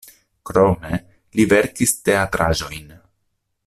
Krome li verkis teatraĵojn.